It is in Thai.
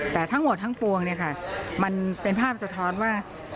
แต่ทั้งหมดทั้งปวงเนี่ยค่ะมันเป็นภาพสะท้อนว่า